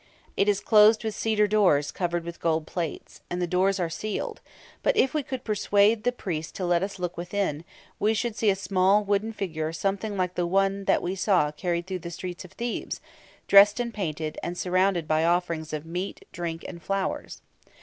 It is closed with cedar doors covered with gold plates, and the doors are sealed; but if we could persuade the priest to let us look within, we should see a small wooden figure something like the one that we saw carried through the streets of Thebes, dressed and painted, and surrounded by offerings of meat, drink, and flowers.